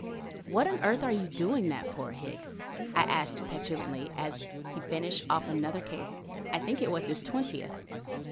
"What on earth are you doing that for, Higgs?" I asked petulantly, as he finished off another case, I think it was his twentieth.